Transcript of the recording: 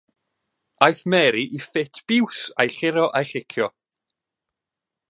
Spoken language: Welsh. Aeth Mary i ffit biws a'i churo a chicio.